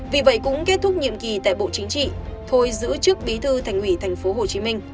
vì vậy cũng kết thúc nhiệm kỳ tại bộ chính trị thôi giữ chức bí thư thành ủy tp hcm